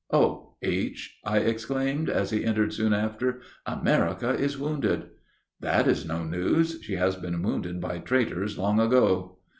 "Oh! H.," I exclaimed, as he entered soon after, "America is wounded." "That is no news; she has been wounded by traitors long ago."